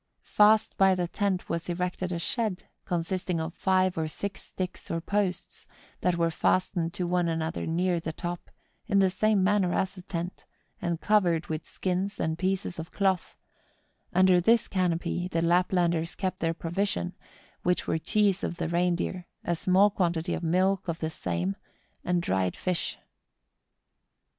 F'ast by the tent was erected a shed, consisting of five or six sticks or posts that were fastened to one another near the top, in the same manner as the tent, and covered with skins and pieces of cloth: under this canopy the Laplanders kept their provision, which were cheese of the rein deer, a small quantity of milk of the same, and dried fish.